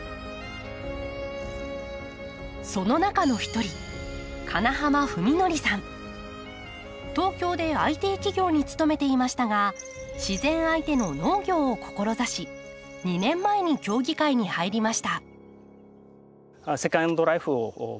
その中の一人東京でＩＴ企業に勤めていましたが自然相手の農業を志し２年前に協議会に入りました。